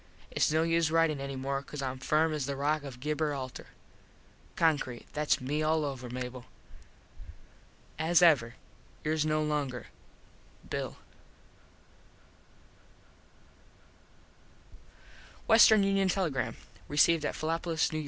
Its no use ritin any more cause Im firm as the rock of Gibber Alter. Concrete. Thats me all over, Mable. as ever yours no longer Bill WESTERN UNION TELEGRAM RECEIVED AT Philopolis, N.Y.